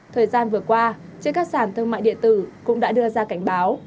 thời gian vừa qua trên các sản thương mại điện tử cũng đã đưa ra cảnh báo